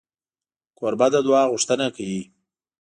کوربه د دعا غوښتنه کوي.